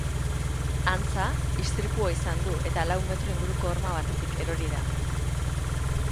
Antza, istripua izan du eta lau metro inguruko horma batetik erori da.